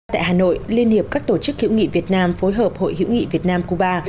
tại hà nội liên hiệp các tổ chức hữu nghị việt nam phối hợp hội hữu nghị việt nam cuba